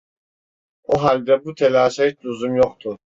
O halde bu telaşa hiç lüzum yoktu.